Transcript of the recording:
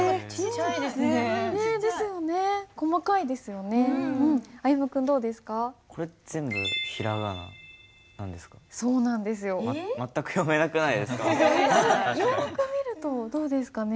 よく見るとどうですかね？